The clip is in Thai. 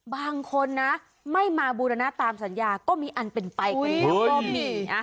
บางคนนะไม่มาบูรณะตามสัญญาก็มีอันเป็นไปกันแล้วก็มี